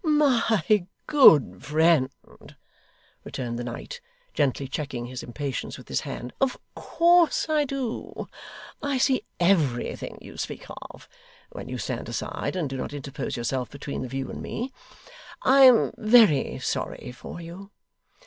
'My good friend,' returned the knight, gently checking his impatience with his hand, 'of course I do. I see everything you speak of, when you stand aside, and do not interpose yourself between the view and me. I am very sorry for you.